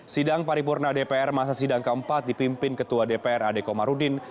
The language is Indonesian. sidang paripurna dpr masa sidang ke empat dipimpin ketua dpr adeko marudin